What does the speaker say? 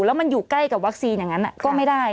แล้วมันอยู่ใกล้กับวัคซีนอย่างนั้นก็ไม่ได้